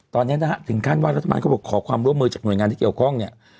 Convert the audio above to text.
ตอนนี้นะฮะถึงขั้นว่ารัฐบาลเขาบอกขอความร่วมมือจากหน่วยงานที่เกี่ยวข้องเนี่ย